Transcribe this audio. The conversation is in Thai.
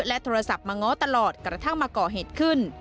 โทรศัพท์มาง้อตลอดกระทั่งมาก่อเหตุขึ้น